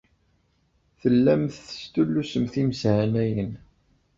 Tellamt testullusemt imeshanayen.